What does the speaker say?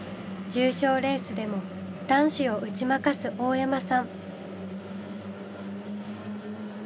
重賞レースでも男子を打ち負かす大山さん。